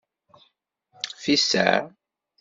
Fisaε!